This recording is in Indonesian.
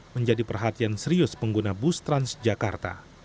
menjadi perhatian serius pengguna bus transjakarta